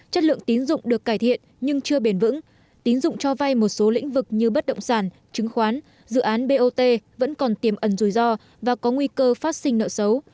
chất lượng tín dụng được cải thiện nhưng chưa bền vững tín dụng cho vay một số lĩnh vực như bất động sản chứng khoán dự án bot vẫn còn tiềm ẩn rủi ro và có nguy cơ phát sinh nợ xấu